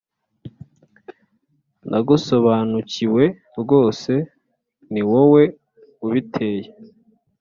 ndagusobanukiwe rwose niwowe ubiteye.